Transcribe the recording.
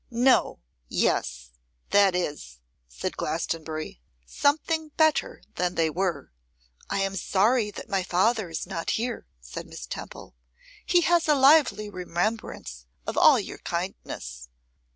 'No; yes; that is,' said Glastonbury, 'something better than they were.' 'I am sorry that my father is not here,' said Miss Temple; 'he has a lively remembrance of all your kindness.